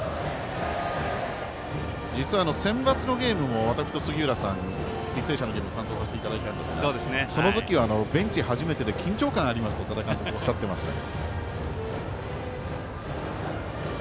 実はセンバツのゲームも私と杉浦さんで履正社のゲーム担当させていただいたんですがその時はベンチ初めてで緊張感ありますと多田監督おっしゃっていましたが。